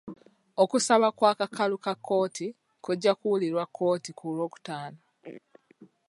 Okusaba kw'akakalu ka kkooti kujja kuwulirwa kkooti ku lw'okutaano.